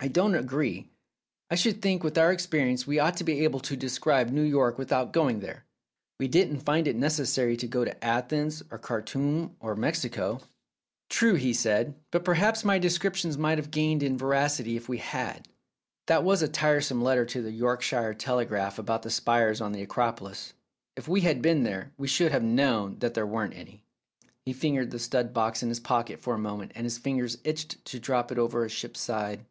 "I don't agree. I should think with our experi ence we ought to be able to describe New York with out going there. We didn't find it necessary to go to Athens, or Khartoum, or Mexico." 3 06 Philip's Safety Razor "True," said he; "but perhaps my descriptions might have gained in veracity if we had. That was a tiresome letter to the Yorkshire Telegraph about the spires on the Acropolis. If we had been there, we should have known that there weren't any." He fingered the stud box in his pocket for a moment, and his fingers itched to drop it over a ship's side.